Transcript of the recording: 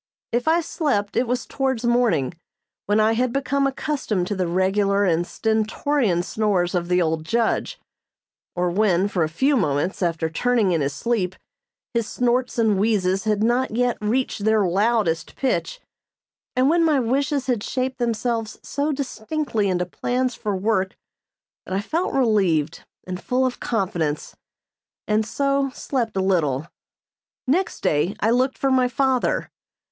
If I slept it was towards morning, when I had become accustomed to the regular and stentorian snores of the old judge; or when, for a few moments, after turning in his sleep, his snorts and wheezes had not yet reached their loudest pitch; and when my wishes had shaped themselves so distinctly into plans for work that I felt relieved and full of confidence, and so slept a little. [Illustration: LIFE AT NOME.] Next day I looked for my father.